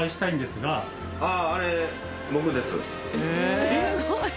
すごい！